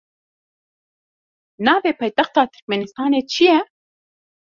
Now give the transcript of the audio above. Navê paytexta Tirkmenistanê çi ye?